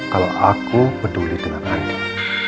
kalau aku peduli dengan ayah